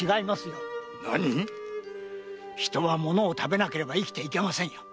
何⁉人はものを食べなければ生きていけませんよ。